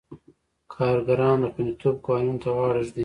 کارګران د خوندیتوب قوانینو ته غاړه ږدي.